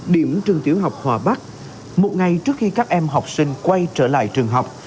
điểm trường tiểu học hòa bắc một ngày trước khi các em học sinh quay trở lại trường học